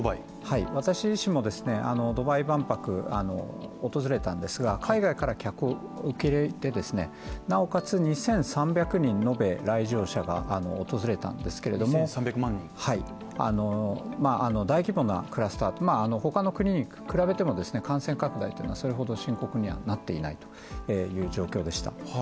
私自身もドバイ万博、訪れたんですが海外から客を受け入れて、なおかつ２３００人延べ来場者が訪れたんですけれども、大規模なクラスター、他の国に比べても感染拡大はそれほど深刻にはなっていないという状況でした。